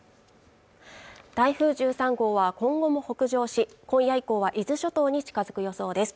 台風１３号は今後も北上し今夜以降は伊豆諸島に近づく予想です